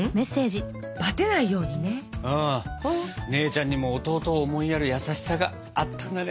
「バテないようにね！」。姉ちゃんにも弟を思いやる優しさがあったんだね。